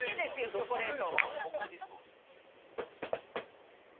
チョコレート。